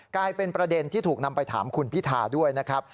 กลายเป็นประเด็นที่ถูกนำไปถามคุณพิธาด้วยนะครับ